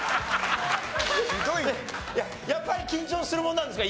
やっぱり緊張するもんなんですか